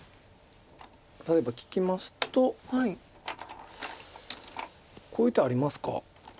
例えば利きますとこういう手ありますか？